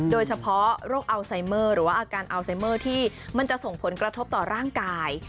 โดยเฉพาะโรคอัลไซเมอร์หรือว่าอาการอัลไซเมอร์ที่มันจะส่งผลกระทบต่อร่างกาย